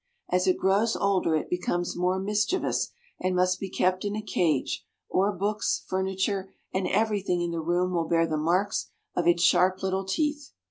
As it grows older it becomes more mischievous, and must be kept in a cage, or books, furniture, and everything in the room will bear the marks of its sharp little teeth.